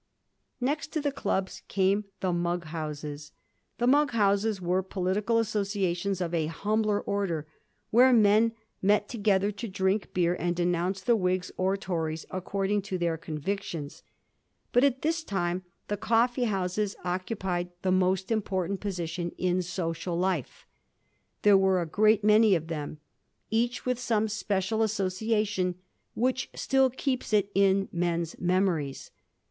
Next to the clubs came the * mug houses.' The mug houses were political associations of a humbler order, where men met together to drink beer and denounce the Whigs or Tories, according to their convictions. But at this time the coffee houses occu Digiti zed by Google 1714 COFFEE HOUSES. 99 pied the most important position in social life. There were a great many of them, each ivith some special association which still keeps it in men's memories.